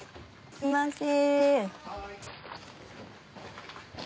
すみません。